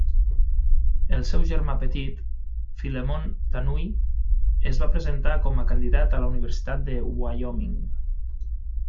El seu germà petit, Philemon Tanui es va presentar com a candidat a la Universitat de Wyoming.